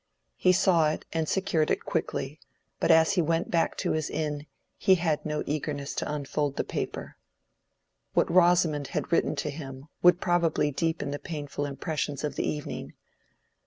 He saw it and secured it quickly, but as he went back to his inn he had no eagerness to unfold the paper. What Rosamond had written to him would probably deepen the painful impressions of the evening.